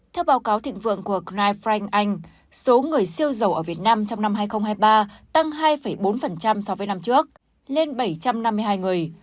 theo báo cáo thịnh vượng của grif frank anh số người siêu dầu ở việt nam trong năm hai nghìn hai mươi ba tăng hai bốn so với năm trước lên bảy trăm năm mươi hai người